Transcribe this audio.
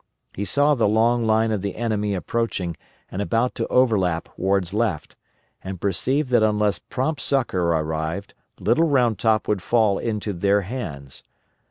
He saw the long line of the enemy approaching, and about to overlap Ward's left, and perceived that unless prompt succor arrived Little Round Top would fall into their hands.